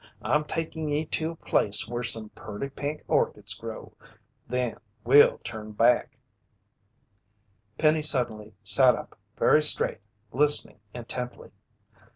I'm takin' ye to a place where some purty pink orchids grow. Then we'll turn back." Penny suddenly sat up very straight, listening intently.